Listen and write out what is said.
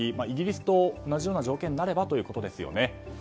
イギリスと同じような条件になればということですよね。